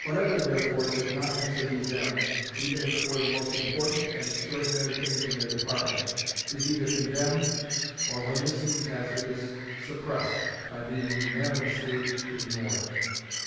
Whatever, therefore, does not answer these ends, even if it were the most important and extraordinary things in their department, is either condemned, or, when this seems hazardous, suppressed by being unanimously ignored.